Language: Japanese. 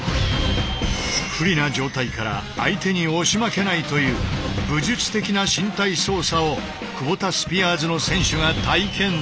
不利な状態から相手に押し負けないという武術的な身体操作をクボタスピアーズの選手が体験する。